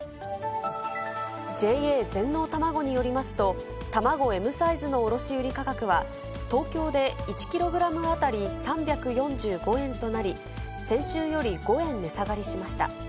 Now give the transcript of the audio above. ＪＡ全農たまごによりますと、卵Ｍサイズの卸売り価格は東京で１キログラム当たり３４５円となり、先週より５円値下がりしました。